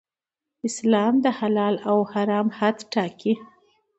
اسلام د حلال او حرام حد ټاکي.